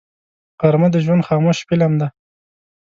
غرمه د ژوند خاموش فلم دی